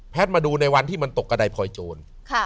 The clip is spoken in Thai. มาดูในวันที่มันตกกระดายพลอยโจร